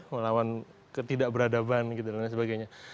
melawan ketidakberadaban dan sebagainya